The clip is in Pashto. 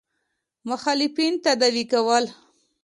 مخالفین تداوي کول.